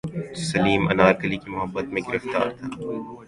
سلیم انارکلی کی محبت میں گرفتار تھا